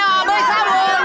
sabun sabun sabun